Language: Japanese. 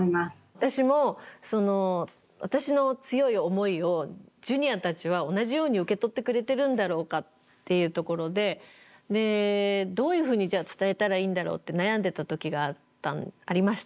私も私の強い思いをジュニアたちは同じように受け取ってくれてるんだろうかっていうところでどういうふうにじゃあ伝えたらいいんだろうって悩んでた時がありました。